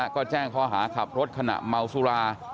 แล้วก็แจ้งเขาหาขับรถขณะเมาสุรา